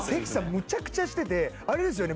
むちゃくちゃしててあれですよね？